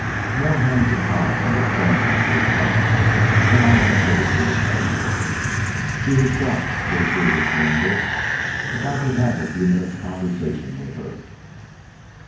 More hangs upon an understanding of these facts than I am at liberty to tell you. She herself would agree with me in this if I could have a few minutes' conversation with her."